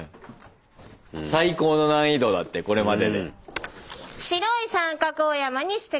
最高の難易度だってこれまでで。